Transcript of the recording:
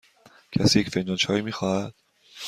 کسی یک فنجان چای می خواهد؟